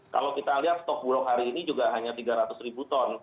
kalau kita lihat stok bulog hari ini juga hanya tiga ratus ribu ton